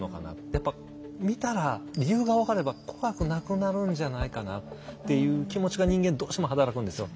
やっぱ見たら理由が分かれば怖くなくなるんじゃないかなっていう気持ちが人間どうしても働くんですよ。